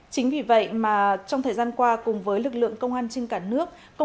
chính vì vậy mà trong thời gian qua cùng với lực lượng công an trên cả nước